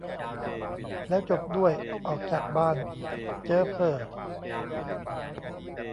แล้วจบด้วย "ออกจากบ้าน" เจ๊อเพ่อ